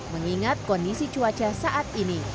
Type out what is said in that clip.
mengingat kondisi cuaca saat ini